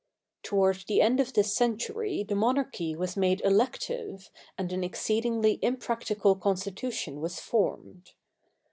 Toward the end of this century the monarchy was made elective and an exceedingly imprac tical constitution was formed.